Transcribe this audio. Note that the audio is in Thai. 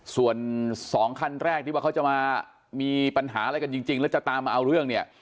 ส่วนสองคันแรกที่ว่าเขาจะมามีปัญหาอะไรกันจริงแล้วจะตามมาเอาเรื่องเนี่ย